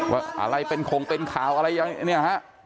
ว่าอะไรเป็นโขงเป็นข่าวอะไรอย่างนี้